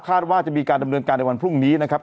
ว่าจะมีการดำเนินการในวันพรุ่งนี้นะครับ